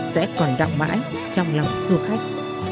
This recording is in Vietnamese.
sẽ còn đọng mãi trong lòng du khách